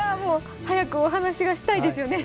早くお話がしたいですよね